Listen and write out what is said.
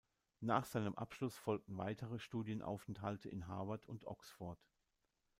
Nach seinem Abschluss folgten weitere Studienaufenthalte in Harvard und Oxford.